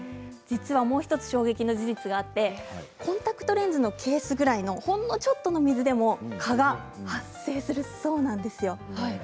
もう１つ衝撃の事実があってコンタクトレンズのケースくらいのほんのちょっとの水でも蚊が発生するそうなんですよ。